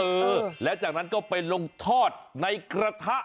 เออแล้วจากนั้นก็ไปลงทอดในกระทะ